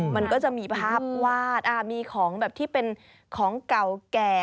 มันก็จะมีภาพวาดมีของแบบที่เป็นของเก่าแก่